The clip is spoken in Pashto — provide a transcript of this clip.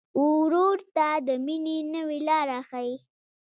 ورور ته د مینې نوې لاره ښيي.